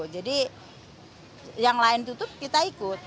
jadi yang lain tutup kita ikut